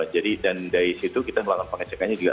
jadi dan dari situ kita lakukan pengecekannya juga